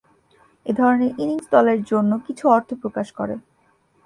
এ ধরনের ইনিংস দলের জন্য কিছু অর্থ প্রকাশ করে।